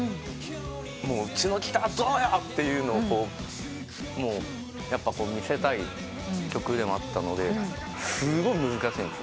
「うちのギターどうよ」っていうのを見せたい曲でもあったのですごい難しいんです。